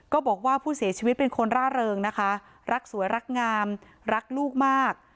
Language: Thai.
บอกว่าผู้เสียชีวิตเป็นคนร่าเริงนะคะรักสวยรักงามรักลูกมาก